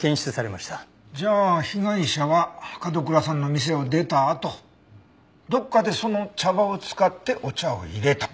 じゃあ被害者は角倉さんの店を出たあとどこかでその茶葉を使ってお茶を淹れた。